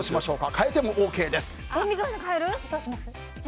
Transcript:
変えてもＯＫです。